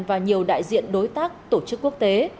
và nhiều đại diện đối tác tổ chức quốc tế